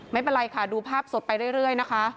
ไม่เป็นไรค่ะดูภาพสดไปเรื่อยนะคะ